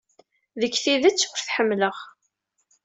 Deg tidet, ur t-ḥemmleɣ.